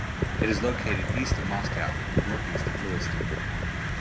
It is located east of Moscow and northeast of Lewiston.